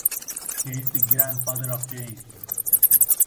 He is the grandfather of James Cochran Dobbin.